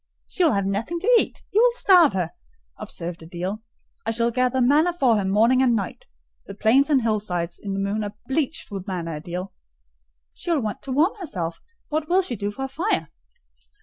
"She will have nothing to eat: you will starve her," observed Adèle. "I shall gather manna for her morning and night: the plains and hillsides in the moon are bleached with manna, Adèle." "She will want to warm herself: what will she do for a fire?"